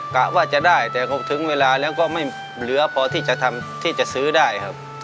กะว่าจะได้แต่ก็ถึงเวลาแล้วก็ไม่เหลือพอที่จะทำที่จะซื้อได้ครับ